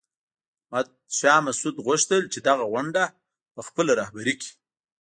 احمد شاه مسعود غوښتل چې دغه غونډه په خپله رهبري کړي.